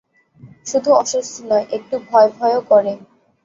শুধু অস্বস্তি নয়, একটু ভয়ভয়ও করে।